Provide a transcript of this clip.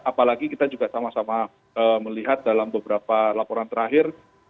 apalagi kita juga sama sama melihat dalam beberapa laporan terakhir